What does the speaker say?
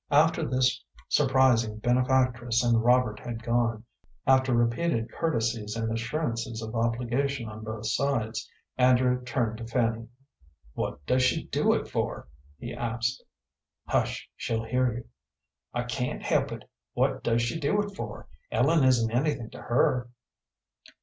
After this surprising benefactress and Robert had gone, after repeated courtesies and assurances of obligation on both sides, Andrew turned to Fanny. "What does she do it for?" he asked. "Hush; she'll hear you." "I can't help it. What does she do it for? Ellen isn't anything to her."